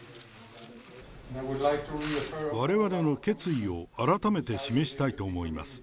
われわれの決意を改めて示したいと思います。